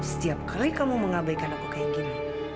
setiap kali kamu mengabaikan aku kayak gini